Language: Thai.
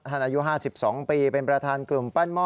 อายุ๕๒ปีเป็นประธานกลุ่มปั้นหม้อ